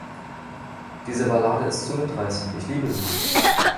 Diese Ballade ist so mitreißend, ich liebe sie!